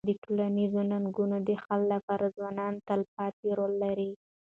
د ټولنیزو ننګونو د حل لپاره ځوانان تلپاتې رول لري.